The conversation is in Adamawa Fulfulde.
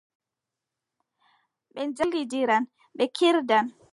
Ɓe njaldan, ɓe ngillindiran, ɓe kiirdan.